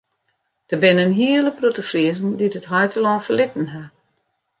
Der binne in hiele protte Friezen dy't it heitelân ferlitten ha.